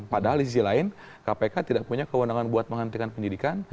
padahal di sisi lain kpk tidak punya kewenangan buat menghentikan penyidikan